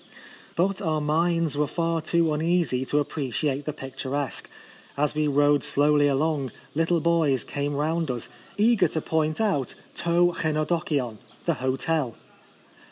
Eut our minds were far too uneasy to appreciate the picturesque. As we rode slowly along, little boys came round us, eager to point out TO EevoSoxeiov — the hotel.